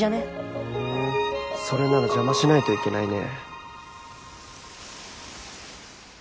ふんそれなら邪魔しないといけないね。